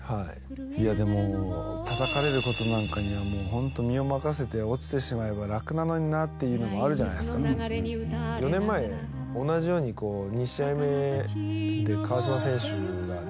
いやでも叩かれることなんかにはホント身を任せて落ちてしまえば楽なのになっていうのもあるじゃないですか４年前同じように２試合目で川島選手がね